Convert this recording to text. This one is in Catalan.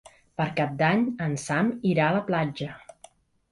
Per Cap d'Any en Sam irà a la platja.